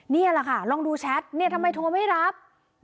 นี่แหละค่ะลองดูแชทเนี่ยทำไมโทรไม่รับ